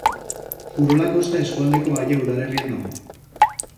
Urola Kosta eskualdeko Aia udalerrian dago.